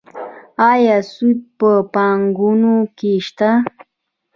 آیا سود په بانکونو کې شته؟